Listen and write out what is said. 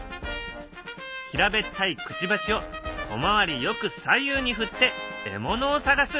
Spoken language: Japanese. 平べったいくちばしを小回りよく左右に振って獲物を探す。